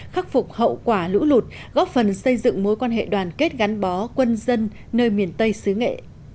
khắc phục hậu quả lũ lụt góp phần xây dựng mối quan hệ đoàn kết gắn bó quân dân nơi miền tây xứ nghệ